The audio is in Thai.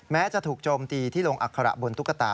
แม้จะถูกโจมตีที่ลงอัคระบนตุ๊กตา